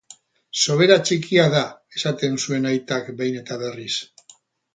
Sobera ttikia da!, esaten zuen aitak behin eta berriz.